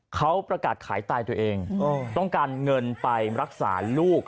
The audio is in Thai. เขาประกาศขายตายตัวเองต้องการเงินไปรักษาลูก